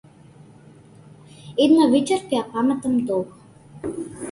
Една вечер ќе ја паметам долго.